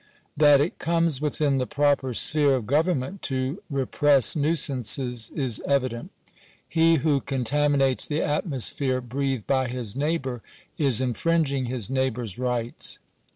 That it comes within the proper sphere of government to I repress nuisances is evident. He who contaminates the atmo sphere breathed by his neighbour, is infringing his neighbour's rights.